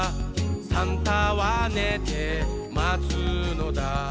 「サンタはねてまつのだ」